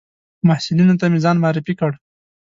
محصلینو ته مې ځان معرفي کړ.